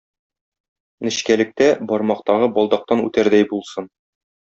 Нечкәлектә бармактагы балдактан үтәрдәй булсын.